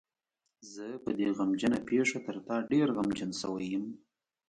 زه په دې غمجنه پېښه تر تا ډېر غمجن شوی یم.